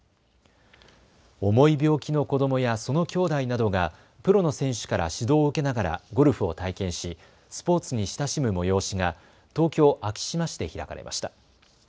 重い病気の子どもやそのきょうだいなどがプロの選手から指導を受けながらゴルフを体験しスポーツに親しむ催しが東京昭島市で開かれました。